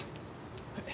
はい。